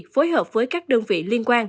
phối hợp với các đơn vị liên quan